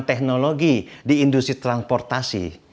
teknologi di industri transportasi